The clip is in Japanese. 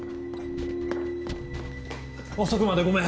遅くまでごめん。